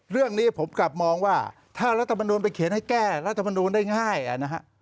เรื่องนี้ผมกลับมองว่าถ้ารัฐมนุนไปเขียนให้แก้รัฐมนูลได้ง่ายนะฮะ